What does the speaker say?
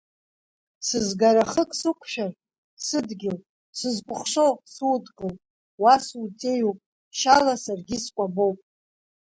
Сызгара хык сықәшәар, сыдгьыл, сызкәыхшоу, судкыл, уа суҵеиуп шьала саргьы скәабоуп.